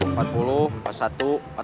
sepatu emak nomor berapa